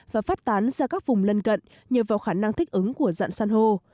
và phát tán ra các vùng lân cận nhờ vào khả năng thích ứng của dạng san hô